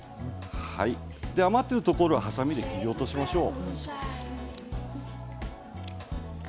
余ってるところははさみで切り落としましょう。